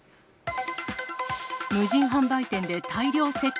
無人販売店で大量窃盗。